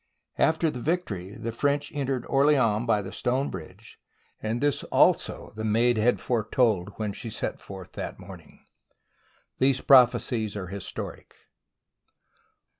" After the victory the French entered Orleans by the stone bridge ; and this also the Maid had foretold when she set forth that morning. These prophecies are historic.